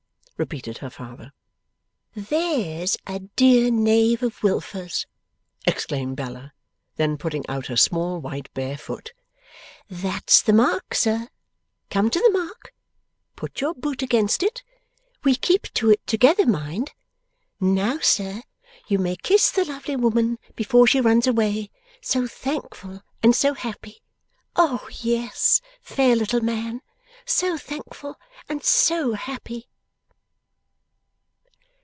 repeated her father. 'There's a dear Knave of Wilfers!' exclaimed Bella; then putting out her small white bare foot, 'That's the mark, sir. Come to the mark. Put your boot against it. We keep to it together, mind! Now, sir, you may kiss the lovely woman before she runs away, so thankful and so happy. O yes, fair little man, so thankful and so happy!